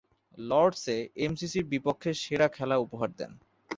লর্ডসে এমসিসি’র বিপক্ষে সেরা খেলা উপহার দেন।